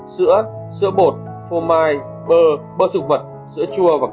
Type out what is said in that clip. sữa sữa bột phô mai bơ bơ thực vật sữa chua và kem